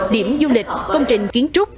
điểm du lịch công trình kiến trúc